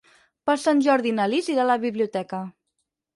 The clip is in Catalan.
Per Sant Jordi na Lis irà a la biblioteca.